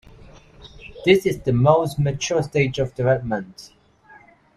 This is the most mature stage of development.